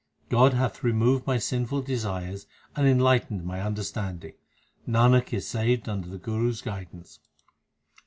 God hath removed my sinful desires and enlightened my understanding : Nanak is saved under the Guru s guidance.